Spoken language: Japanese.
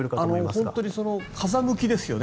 本当に風向きですよね。